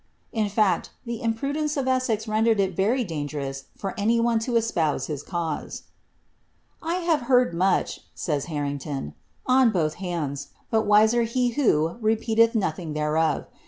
In fact, tlie imprudence of Essex rendered it verydaa^r ous for any one lo espouse his cause. '■ 1 have heard much," says Hanington, " on both hands, but wiser he who repeateih nothing thereof.